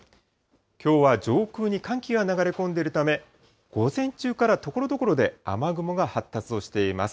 きょうは上空に寒気が流れ込んでいるため、午前中からところどころで雨雲が発達をしています。